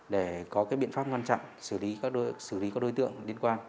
để có cái biện pháp quan trọng xử lý các đối tượng liên quan